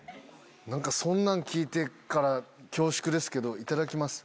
何かそんなん聞いてから恐縮ですけどいただきます。